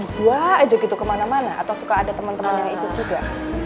gue aja gitu kemana mana atau suka ada temen temen yang ikut juga